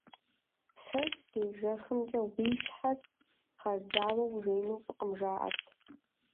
Псыр здежэхымкӀэ уи щхьэр гъэзауэ ужеину фӀыкъым, жаӀэрт.